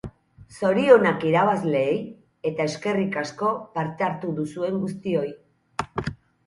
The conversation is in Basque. Zorionak irabazleei, eta eskerrik asko parte hartu duzuen guztioi!